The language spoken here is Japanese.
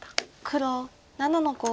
黒７の五。